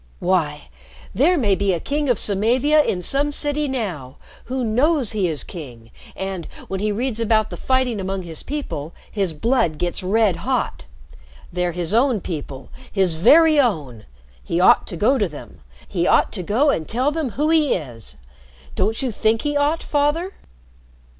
"Why! There may be a king of Samavia in some city now who knows he is king, and, when he reads about the fighting among his people, his blood gets red hot. They're his own people his very own! He ought to go to them he ought to go and tell them who he is! Don't you think he ought, Father?"